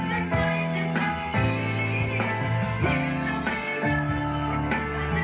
จุดป่าเผอร์จันทร์แล้วกันอะไร